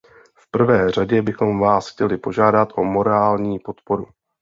V prvé řadě bychom vás chtěli požádat o morální podporu.